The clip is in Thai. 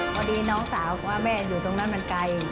พอดีน้องสาวว่าแม่อยู่ตรงนั้นมันไกล